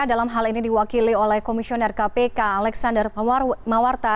dalam hal ini diwakili oleh komisioner kpk alexander mawarta